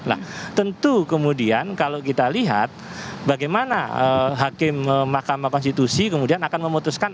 nah tentu kemudian kalau kita lihat bagaimana hakim mahkamah konstitusi kemudian akan memutuskan